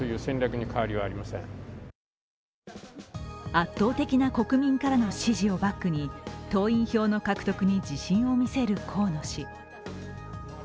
圧倒的な国民からの支持をバックに党員票の獲得に自信を見せる河野氏。